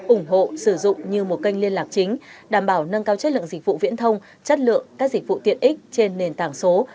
ủng hộ sử dụng như một kênh liên lạc chính đảm bảo nâng cao chất lượng dịch vụ viễn thông chất lượng các dịch vụ tiện ích trên nền tảng số